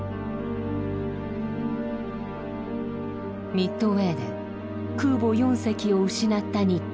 ミッドウェーで空母４隻を失った日本。